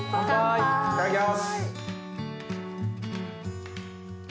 いただきます！